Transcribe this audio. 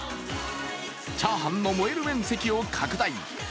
チャーハンの燃える面積を拡大。